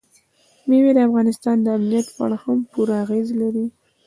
مېوې د افغانستان د امنیت په اړه هم پوره اغېز لري.